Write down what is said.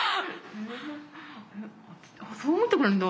そう思ってくれてんだ。